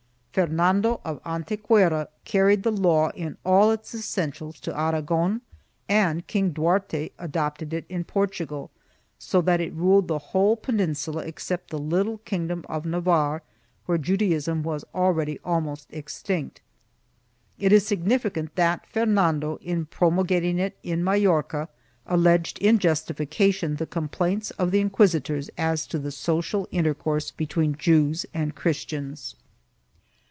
Fernando of Antequera carried the law in all its essentials to Aragon and King Duarte adopted it in Portugal, so that it ruled the whole Penin sula except the little kingdom of Navarre where Judaism was already almost extinct. It is significant that Fernando, in pro mulgating it in Majorca, alleged in justification the complaints of the inquisitors as to the social intercourse between Jews and Christians.